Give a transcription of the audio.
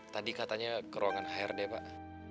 tadi katanya ke ruangan hrd pak